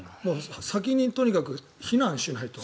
先にとにかく避難しないと。